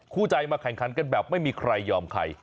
คู่ใจมาแข่งขันกันแบบไม่มีใครยอมใคร